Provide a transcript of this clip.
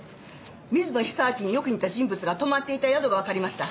水野久明によく似た人物が泊まっていた宿がわかりました。